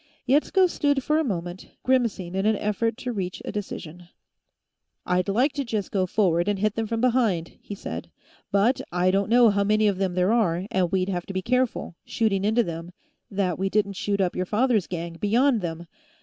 Yetsko stood for a moment, grimacing in an effort to reach a decision. "I'd like to just go forward and hit them from behind," he said. "But I don't know how many of them there are, and we'd have to be careful, shooting into them, that we didn't shoot up your father's gang, beyond them.